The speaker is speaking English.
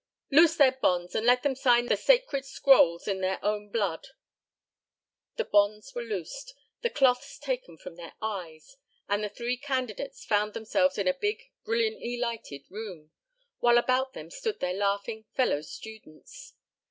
Loose their bonds and let them sign the sacred scrolls in their own blood." The bonds were loosed, the cloths taken from their eyes, and the three candidates found themselves in a big, brilliantly lighted room, while about them stood their laughing fellow students.